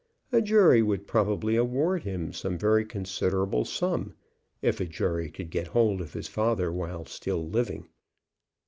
A jury would probably award him some very considerable sum, if a jury could get hold of his father while still living.